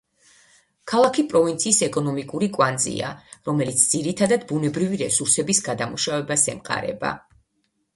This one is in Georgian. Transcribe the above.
ქალაქი პროვინციის ეკონომიკური კვანძია, რომელიც ძირითადად ბუნებრივი რესურსების გადამუშავებას ემყარება.